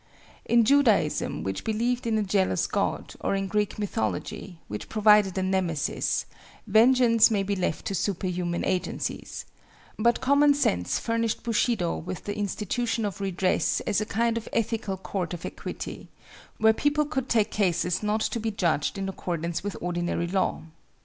In Judaism, which believed in a jealous God, or in Greek mythology, which provided a Nemesis, vengeance may be left to superhuman agencies; but common sense furnished Bushido with the institution of redress as a kind of ethical court of equity, where people could take cases not to be judged in accordance with ordinary law.